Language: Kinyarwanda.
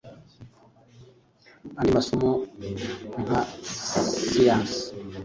andi masomo nka siyansi,